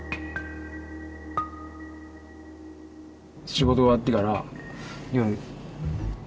仕事終わってから夜。